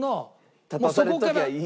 立たされときゃいいやが。